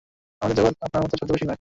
আমাদের জগৎ আপনার মত ছদ্মবেশী নয়।